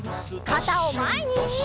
かたをまえに！